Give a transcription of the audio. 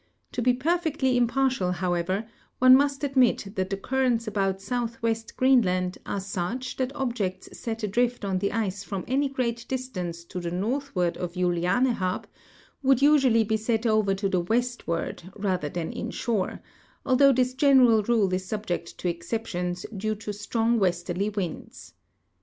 To Ije perfect!}'' impartial, however, one must admit that the currents about southwest Greenland are such that objects set adrift on the ice from any great distance to the northward of Julianehaab would usually be set over to the westward rather than in shore, although tliis general rule is subject to exceptions, due to strong westerly winds.